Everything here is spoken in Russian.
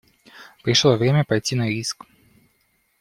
Пришло время пойти на риск.